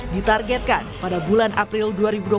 ditargetkan pada bulan april dua ribu dua puluh satu